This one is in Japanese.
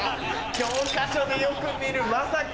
教科書でよく見るまさか。